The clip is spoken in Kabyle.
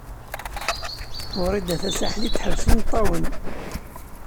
Wrida Tasaḥlit teḥbes imeṭṭawen.